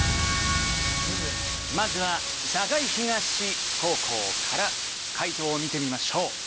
まずは栄東高校から解答を見てみましょう。